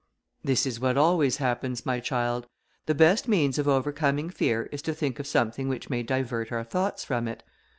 "This is what always happens, my child. The best means of overcoming fear, is to think of something which may divert our thoughts from it.